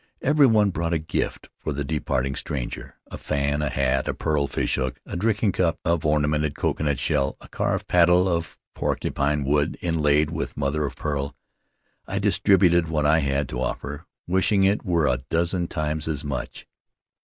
Everyone brought a gift for the departing stranger — a fan, a hat, a pearl fishhook, a drinking cup of ornamented coconut shell, a carved paddle of por cupine wood inlaid with mother of pearl. I dis tributed what little I had to offer, wishing it were a dozen times as much.